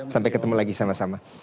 sampai ketemu lagi sama sama